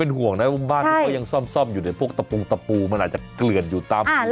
เป็นห่วงนะว่าบ้านก็ยังซ่อมอยู่เดี๋ยวพวกตะปูมันอาจจะเกลื่อนอยู่ตาม